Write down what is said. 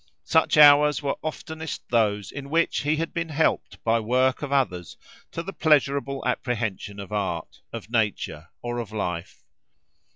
Such hours were oftenest those in which he had been helped by work of others to the pleasurable apprehension of art, of nature, or of life.